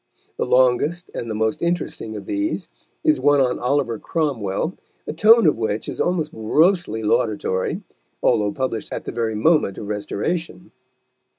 The longest and the most interesting of these is one on Oliver Cromwell, the tone of which is almost grossly laudatory, although published at the very moment of Restoration.